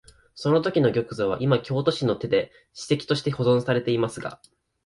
そのときの玉座は、いま京都市の手で史跡として保存されていますが、